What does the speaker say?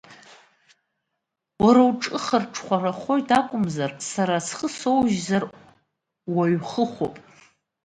Уара уҿы хырҽхәарахоит акәымзар, сара схы соужьызар, уаҩ хыхәоуп…